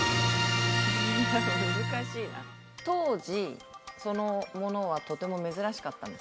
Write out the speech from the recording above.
当時そのものはとても珍しかったんですか？